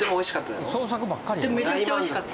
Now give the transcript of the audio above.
でもめちゃくちゃおいしかった。